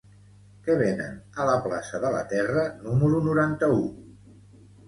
Què venen a la plaça de la Terra número noranta-u?